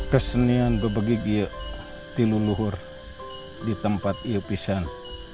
kesenian bebegik iya diluluhur di tempat iya pisang